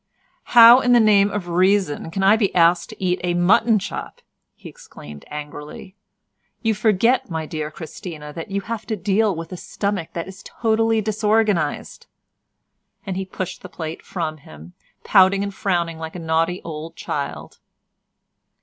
"How in the name of reason can I be asked to eat a mutton chop?" he exclaimed angrily; "you forget, my dear Christina, that you have to deal with a stomach that is totally disorganised," and he pushed the plate from him, pouting and frowning like a naughty old child.